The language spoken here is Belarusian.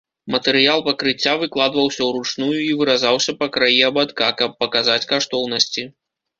Матэрыял пакрыцця выкладваўся ўручную і выразаўся па краі абадка, каб паказаць каштоўнасці.